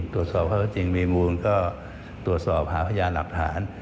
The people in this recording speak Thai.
ตรวจสอบข้อจริงมีมูลก็ตรวจสอบหาพยานหลักฐาน